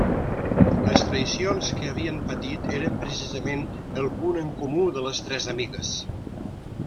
Les traïcions que havien patit eren precisament el punt en comú de les tres amigues.